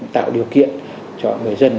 thực hiện cho người dân